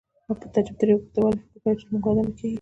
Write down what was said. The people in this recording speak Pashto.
ما په تعجب ترې وپوښتل: ولې فکر کوې چې زموږ واده نه کیږي؟